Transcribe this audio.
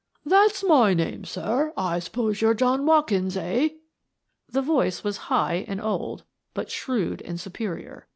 " That's my name, sir. I suppose you're John Watkins, eh?" The voice was high and old, but shrewd and su perior.